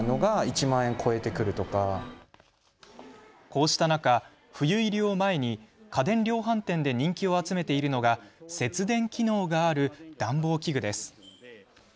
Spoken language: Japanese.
こうした中、冬入りを前に家電量販店で人気を集めているのが節電機能がある暖房器具です。